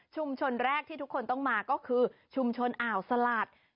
แรกที่ทุกคนต้องมาก็คือชุมชนอ่าวสลัด